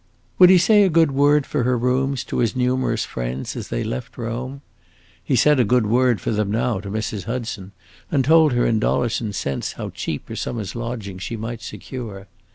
Would he say a good word for her rooms to his numerous friends, as they left Rome? He said a good word for them now to Mrs. Hudson, and told her in dollars and cents how cheap a summer's lodging she might secure.